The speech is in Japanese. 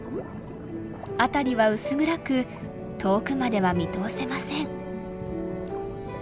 辺りは薄暗く遠くまでは見通せません。